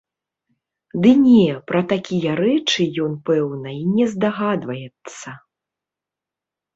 Ды не, пра такія рэчы ён, пэўна, і не здагадваецца.